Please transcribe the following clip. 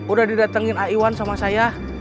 udah didatengin aiwan sama saya